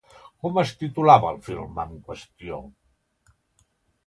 Com es titulava el film en qüestió?